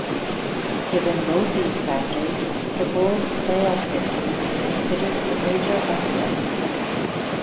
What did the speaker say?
Given both these factors, the Bulls' playoff victory was considered a major upset.